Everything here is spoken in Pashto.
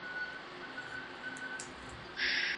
ولي په ګڼ ډګر کي مړ سړی او ږیره نه وو ښکاره سوي؟